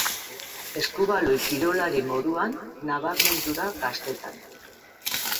Eskubaloi-kirolari moduan nabarmendu da gaztetan.